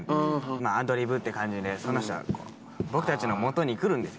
アドリブって感じでその人が僕たちのもとに来るんですよ